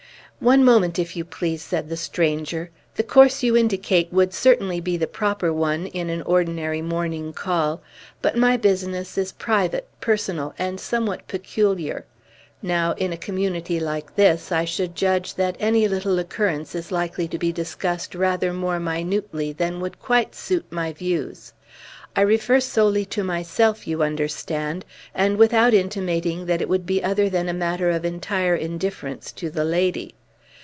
"One moment, if you please," said the stranger. "The course you indicate would certainly be the proper one, in an ordinary morning call. But my business is private, personal, and somewhat peculiar. Now, in a community like this, I should judge that any little occurrence is likely to be discussed rather more minutely than would quite suit my views. I refer solely to myself, you understand, and without intimating that it would be other than a matter of entire indifference to the lady.